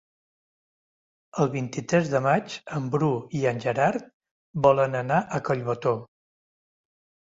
El vint-i-tres de maig en Bru i en Gerard volen anar a Collbató.